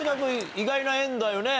意外な縁だよね。